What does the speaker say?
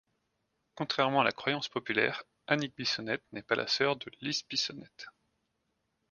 Contrairement à la croyance populaire, Anik Bissonnette n'est pas la sœur de Lise Bissonnette.